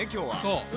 そう！